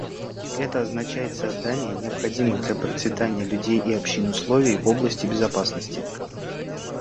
Это означает создание необходимых для процветания людей и общин условий в области безопасности.